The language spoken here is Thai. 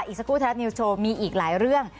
อีกสักครู่ไทยรัฐนิวส์โชว์มีอีกหลายเรื่อง